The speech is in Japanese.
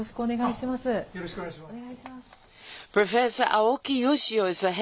よろしくお願いします。